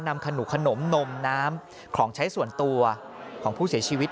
นำขนุกขนมนมน้ำของใช้ส่วนตัวของผู้เสียชีวิต